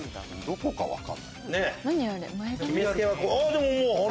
でももう鼻？